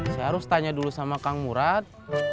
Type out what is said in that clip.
saya harus tanya dulu sama kang murad